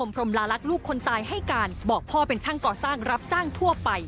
พรมลาลักษณ์ลูกคนตายให้การบอกพ่อเป็นช่างก่อสร้างรับจ้างทั่วไป